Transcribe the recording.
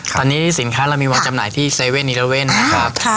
ตอนนี้สินค้าเรามีวางจำหน่ายที่๗๑๑นะครับ